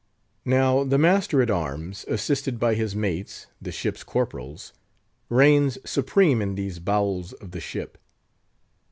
Now the master at arms, assisted by his mates, the ship's corporals, reigns supreme in these bowels of the ship.